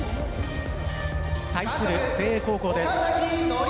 対する誠英高校です。